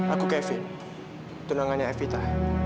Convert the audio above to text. aku ke evita tunangannya evita